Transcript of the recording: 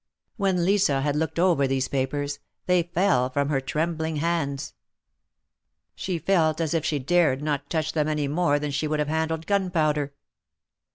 When Lisa had looked over these papers, they fell from her trembling hands. She felt as if she dared not touch them any more than she would have handled gunpowder.